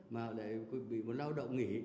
mà để quý vị muốn lao động nghỉ